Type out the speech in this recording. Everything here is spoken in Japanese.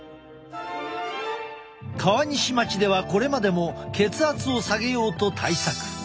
川西町ではこれまでも血圧を下げようと対策。